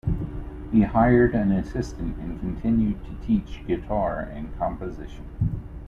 He hired an assistant and continued to teach guitar and composition.